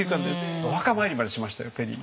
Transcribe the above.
お墓参りまでしましたよペリー。